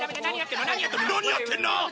何やってんの？